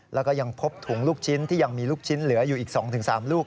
แล้วก็ยังพบถุงลูกชิ้นที่ยังมีลูกชิ้นเหลืออยู่อีก๒๓ลูก